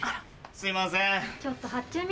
すいません。